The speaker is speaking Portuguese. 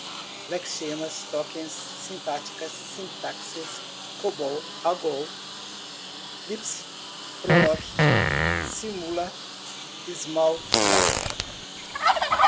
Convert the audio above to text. lexemas, tokens, sintáticas, sintaxe, cobol, algol, lisp, prolog, simula, smalltalk